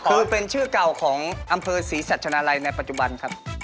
คือเป็นชื่อเก่าของอำเภอศรีสัชนาลัยในปัจจุบันครับ